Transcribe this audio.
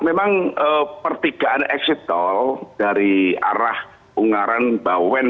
memang pertigaan exit tol dari arah ungaran bawen